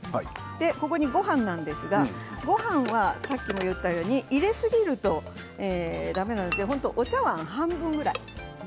ここに、ごはんなんですがごはんはさっきも言ったように入れすぎるとだめなのでお茶わん半分くらい。